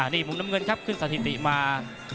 นี่มุมน้ำเงินครับขึ้นสถิติมา